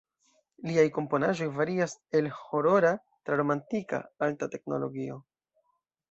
Liaj komponaĵoj varias el horora, tra romantika, alta teknologio.